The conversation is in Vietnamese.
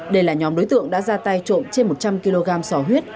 đây là nhóm đối tượng đã ra tay trộm trên một trăm linh kg sò huyết